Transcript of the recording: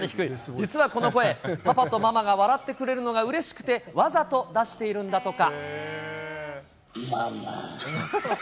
実はこの声、パパとママが笑ってくれるのがうれしくて、わざと出しているんだとか。